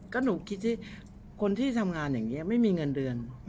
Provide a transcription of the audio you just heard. ก็หนูคิดสิคนที่ทำงานอย่างนี้ไม่มีเงินเดือน